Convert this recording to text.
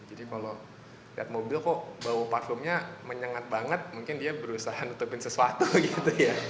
jadi kalau lihat mobil kok bau parfumnya menyengat banget mungkin dia berusaha nutupin sesuatu gitu ya